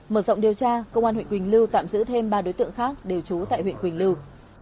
mở rộng điều tra công an huyện quỳnh lưu tạm giữ thêm ba đối tượng khác đều trú tại huyện quỳnh lưu